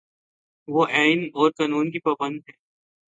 وہ آئین اور قانون کی پابند ہے۔